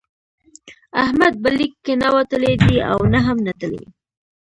احمد به لیک کې نه وتلی دی او نه هم نتلی.